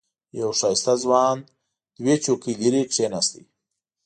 یو ښایسته ځوان دوه چوکۍ لرې کېناست.